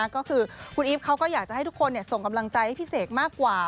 ก็คือคุณอีฟเขาก็อยากจะให้ทุกคนส่งกำลังใจให้พี่เสกมากกว่า